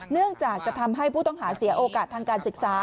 เนื่องจากจะทำให้ผู้ต้องหาเสียโอกาสทางการศึกษา